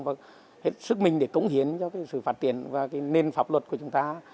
và hết sức mình để cống hiến cho cái sự phát triển và cái nền pháp luật của chúng ta